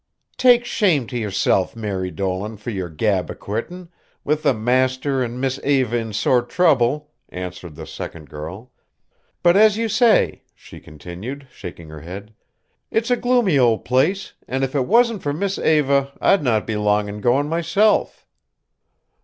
"Take shame to yerself, Mary Dolan, for yer gab of quittin', with the master and Miss Eva in sore trouble," answered the second girl. "But as you say," she continued, shaking her head, "it's a gloomy old place, and if it wasn't for Miss Eva I'd not be long in going myself."